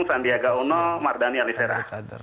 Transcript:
sandiaga uno mardani alisera